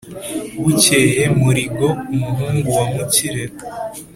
bukeye muligo, umuhungu wa mukire